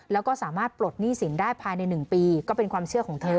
แล้วก็สามารถปลดหนี้สินได้ภายใน๑ปีก็เป็นความเชื่อของเธอ